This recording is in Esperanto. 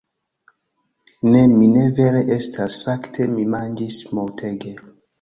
Ne, mi ne vere estas... fakte mi manĝis multege